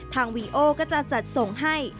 วีโอก็จะจัดส่งให้